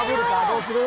どうする？